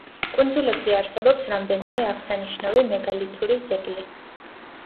კუნძულებზე არსებობს რამდენიმე აღსანიშნავი მეგალითური ძეგლი.